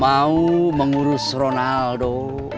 mau mengurus ronaldo